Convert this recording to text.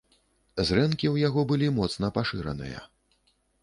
Зрэнкі ў яго былі моцна пашыраныя.